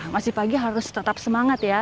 masih pagi harus tetap semangat ya